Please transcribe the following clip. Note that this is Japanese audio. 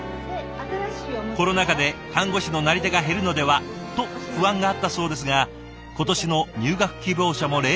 コロナ禍で看護師のなり手が減るのではと不安があったそうですが今年の入学希望者も例年どおり。